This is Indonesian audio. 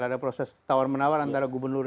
ada proses tawar menawar antara gubernur